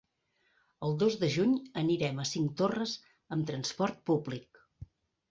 El dos de juny anirem a Cinctorres amb transport públic.